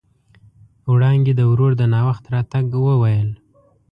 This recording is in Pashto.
وړانګې د ورور د ناوخت راتګ وويل.